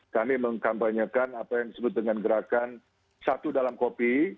kami mengkampanyekan apa yang disebut dengan gerakan satu dalam kopi